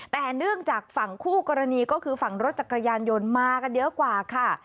แต่เนื่องจากฝั่งคู่กรณีก็คือฝั่งรถจักรยานยนต์มากันเยอะกว่าค่ะ